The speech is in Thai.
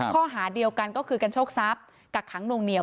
ข้อหาเดียวกันก็คือการโชคทรัพย์กักขังนวงเหนีย